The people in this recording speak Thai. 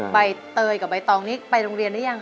ไปเตยกับใบตองนี้ไปโรงเรียนได้ยังคะ